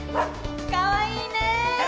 かわいいね。